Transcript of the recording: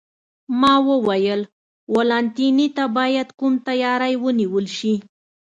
ما وویل: والنتیني ته باید کوم تیاری ونیول شي؟